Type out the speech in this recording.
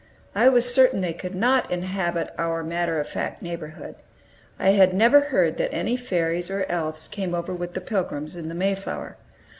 I was certain that they could not inhabit our matter of fact neighborhood. I had never heard that any fairies or elves came over with the Pilgrims in the Mayflower.